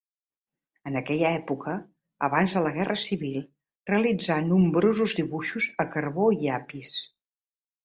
En aquella època, abans de la guerra civil, realitzà nombrosos dibuixos a carbó i llapis.